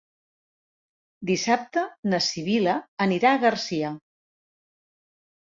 Dissabte na Sibil·la anirà a Garcia.